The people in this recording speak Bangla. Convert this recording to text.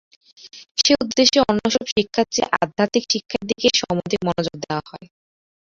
সে উদ্দেশ্যে অন্য সব শিক্ষার চেয়ে আধ্যাত্মিক শিক্ষার দিকেই সমধিক মনোযোগ দেওয়া হয়।